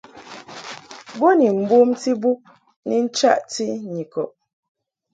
Bo ni mbomti bub ni nchaʼti Nyikɔb.